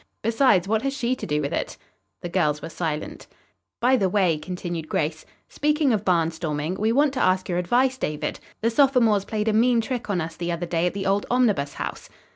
Besides, what has she to do with it?" The girls were silent. "By the way," continued Grace, "speaking of barnstorming, we want to ask your advice, David. The sophomores played a mean trick on us the other day at the old Omnibus House."